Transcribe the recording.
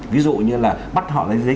ví dụ như là bắt họ lấy